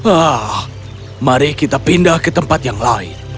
ah mari kita pindah ke tempat yang lain